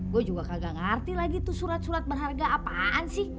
gue juga kagak ngerti lagi tuh surat surat berharga apaan sih